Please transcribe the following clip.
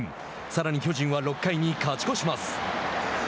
さらに巨人は６回に勝ちこします。